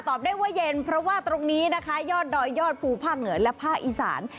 ได้ว่าเย็นเพราะว่าตรงนี้นะคะยอดดอยยอดภูภาคเหนือและภาคอีสาน